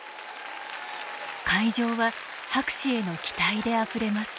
会場は博士への期待であふれます。